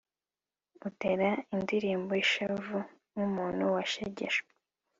utere indirimbo y'ishavu nk'umuntu washegeshwe